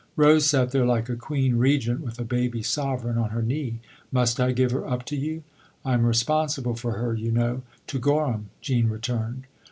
Rose sat there like a queen regent with a baby sovereign on her knee. " Must I give her up to you ?"" I'm responsible for her, you know, to Gorham," Jean returned.